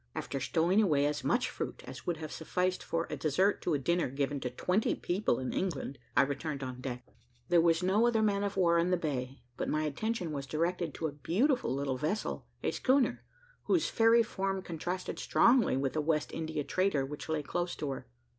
After stowing away as much fruit as would have sufficed for a dessert to a dinner given to twenty people in England, I returned on deck. There was no other man of war in the bay; but my attention was directed to a beautiful little vessel, a schooner, whose fairy form contrasted strongly with a West India trader which lay close to her.